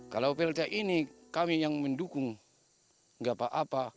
kalau plt ini kami yang mendukung nggak apa apa